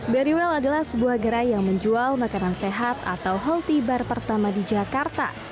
barry well adalah sebuah gerai yang menjual makanan sehat atau healthy bar pertama di jakarta